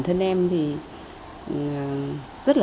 chiếm tỷ lệ thấp